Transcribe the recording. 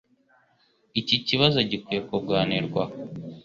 Iki kibazo gikwiye kuganirwaho.